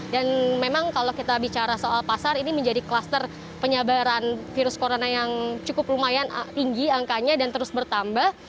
dan memang kalau kita bicara soal pasar ini menjadi kluster penyabaran virus corona yang cukup lumayan tinggi angkanya dan terus bertambah